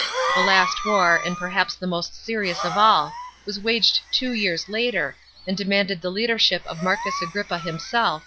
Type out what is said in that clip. The last war, and perhaps the most serious of all, was waged two years later, and demanded the leadership of Marcus Agrippa him self (20 19 B.